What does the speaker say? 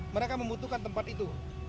mereka membutuhkan tempat itu